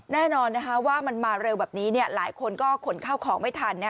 แน่นอนว่ามันมาเร็วแบบนี้หลายคนก็ขนเข้าของไม่ทัน